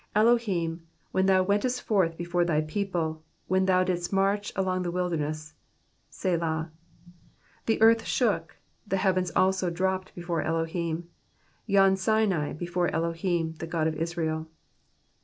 8 Elohim, when Thou wentest forth before Thy people, When thou didst march along in the wilderness — (Sela,) 9 The earth shook. The heavens also dropped before Elohim, Yon Sinai before Elohim, the God of Israel.